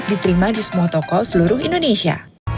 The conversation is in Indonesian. diterima di semua toko seluruh indonesia